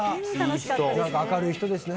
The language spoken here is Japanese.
明るい人ですね。